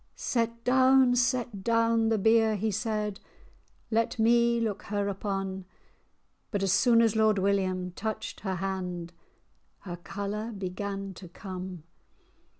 "Set down, set down the bier," he said, "Let me look her upon;" But as soon as Lord William touched her hand, Her colour began to come.